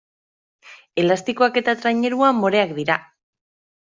Elastikoak eta trainerua moreak dira.